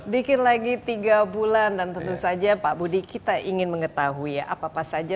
dikit lagi tiga bulan dan tentu saja pak budi kita ingin mengetahui ya